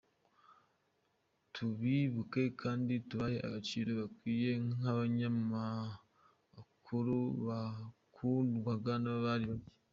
Tubibuke kandi tubahe agaciro bakwiye nk’abanyamakuru bakundwaga n'abatari bake.